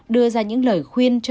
đưa ra những lời khuyên cho các bạn